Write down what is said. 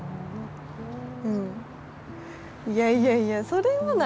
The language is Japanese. うんいやいやいやそれはないやろ。